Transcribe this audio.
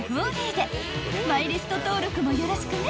［マイリスト登録もよろしくね］